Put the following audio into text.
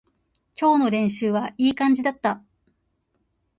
今日の練習はいい感じだった